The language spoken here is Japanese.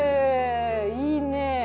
いいね。